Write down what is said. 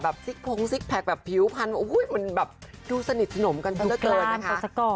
ซิกพงซิกแพคแบบผิวพันธุ์มันแบบดูสนิทสนมกันซะละเกินนะคะ